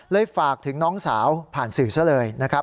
ฝากถึงน้องสาวผ่านสื่อซะเลยนะครับ